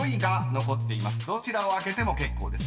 ［どちらを開けても結構です。